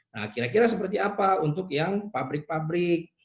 nah kira kira seperti apa untuk yang pabrik pabrik